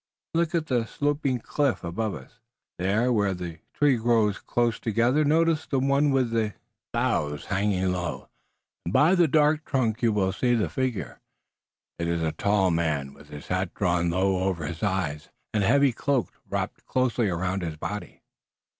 "Look at the sloping cliff above us, there where the trees grow close together. Notice the one with the boughs hanging low, and by the dark trunk you will see the figure. It is a tall man with his hat drawn low over his eyes, and a heavy cloak wrapped closely around his body."